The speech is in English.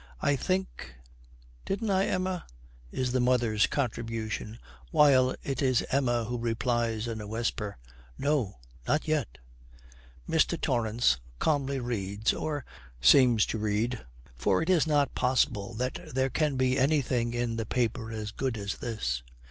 'I think didn't I, Emma?' is the mother's contribution, while it is Emma who replies in a whisper, 'No, not yet!' Mr. Torrance calmly reads, or seems to read, for it is not possible that there can be anything in the paper as good as this.